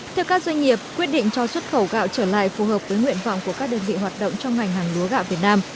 theo các doanh nghiệp quyết định cho xuất khẩu gạo trở lại phù hợp với nguyện vọng của các đơn vị hoạt động trong ngành hàng lúa gạo việt nam